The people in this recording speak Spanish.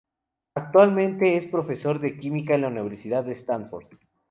Actualmente es profesor de Química en la Universidad de Stanford.